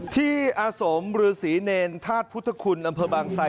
ที่อสมหรือศรีเนรธาตุพุทธคุณอำเภอบางทราย